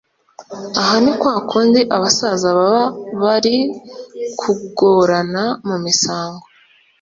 aha ni kwa kundi abasaza baba bari kugorana mu misango).